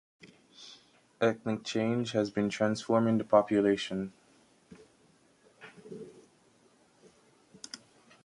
Ethnic change has been transforming the population.